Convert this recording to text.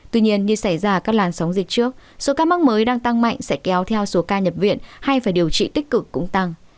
tuy nhiên như xảy ra các làn sóng dịch trước số ca mắc mới đang tăng mạnh sẽ kéo theo số ca nhập viện hay phải điều trị tích cực cũng tăng